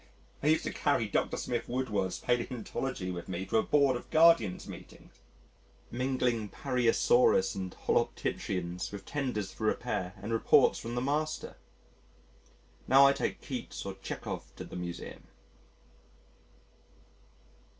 I used to carry Dr. Smith Woodward's Paleontology with me to a Board of Guardians meeting, mingling Pariasaurus and Holoptychians with tenders for repairs and reports from the Master. Now I take Keats or Tschekov to the Museum!